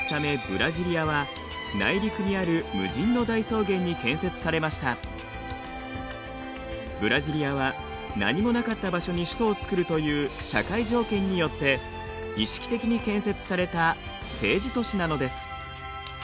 ブラジリアは何もなかった場所に首都を造るという社会条件によって意識的に建設された政治都市なのです。